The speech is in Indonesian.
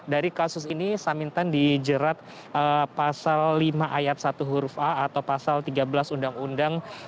dari kasus ini samintan dijerat pasal lima ayat satu huruf a atau pasal tiga belas undang undang